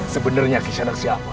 sebenarnya kisah anak siapa